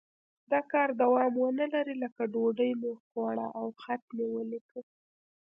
د کار دوام ونه لري لکه ډوډۍ مې وخوړه او خط مې ولیکه.